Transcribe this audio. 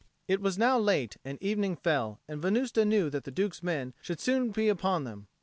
It was now late, and evening fell; and Venusta knew that the Duke's men should soon be upon them.